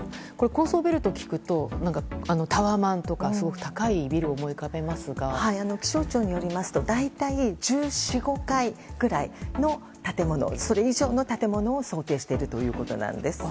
高層ビルと聞くとタワマンとか高いビルを気象庁によりますと大体１４１５階ぐらいの建物それ以上の建物を想定しているということです。